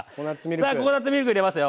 さあココナツミルク入れますよ。